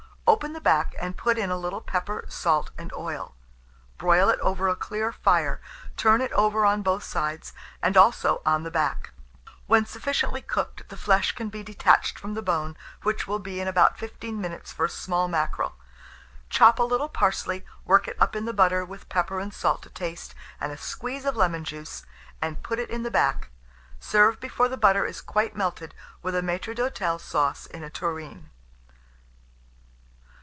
Open the back, and put in a little pepper, salt, and oil; broil it over a clear fire, turn it over on both sides, and also on the back. When sufficiently cooked, the flesh can be detached from the bone, which will be in about 15 minutes for a small mackerel. Chop a little parsley, work it up in the butter, with pepper and salt to taste, and a squeeze of lemon juice, and put it in the back. Serve before the butter is quite melted, with a maître d'hôtel sauce in a tureen.